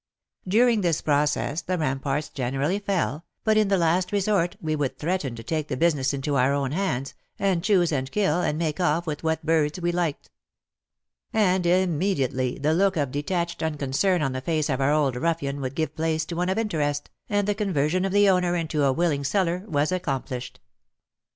During this process the ramparts generally fell, but in the last resort we would threaten to take the business into our own hands, and choose and kill and make off with what birds we liked. And immediately the look of detached uncon cern on the face of our old ruffian would give place to one of interest, and the conversion of the owner into a willing seller was accomplished.